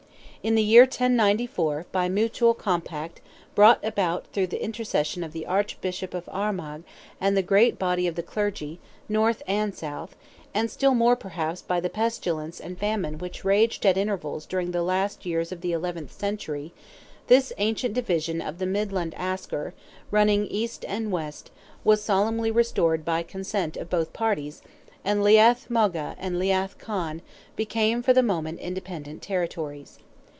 In the year 1094, by mutual compact, brought about through the intercession of the Archbishop of Armagh and the great body of the clergy, north and south—and still more perhaps by the pestilence and famine which raged at intervals during the last years of the eleventh century—this ancient division of the midland asker, running east and west, was solemnly restored by consent of both parties, and Leath Mogha and Leath Conn became for the moment independent territories.